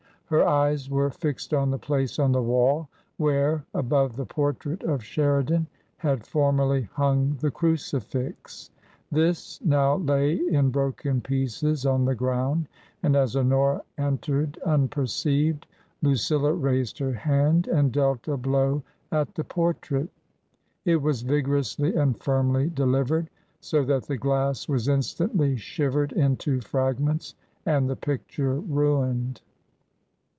Her eyts were fixed on the place on the wall where, above the portrait of Sheridan, had formerly hung the crucifix. This now lay in broken pieces on the ground, and, as Honora entered unperceived, Lucilla raised her hand and dealt a blow at the portrait. It was vigorously and firmly delivered, so that the glass was instantly shivered into fragments and the picture ruined.